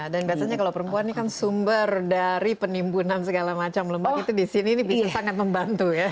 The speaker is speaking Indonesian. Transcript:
dan biasanya kalau perempuan ini kan sumber dari penimbunan segala macam lemak itu di sini bisa sangat membantu ya